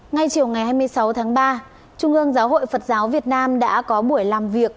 ngay chiều ngày hai mươi sáu tháng ba trung ương giáo hội phật giáo việt nam đã có buổi làm việc